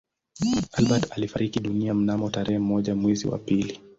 Albert alifariki dunia mnamo tarehe moja mwezi wa pili